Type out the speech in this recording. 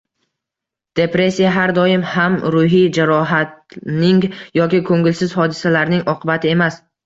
Depressiya har doim ham ruhiy jarohatning yoki ko‘ngilsiz hodisalarning oqibati emas.